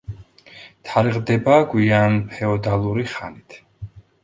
თარიღდება გვიანფეოდალური ხანით.